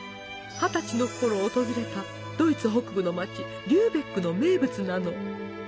二十歳のころ訪れたドイツ北部の街リューベクの名物なの！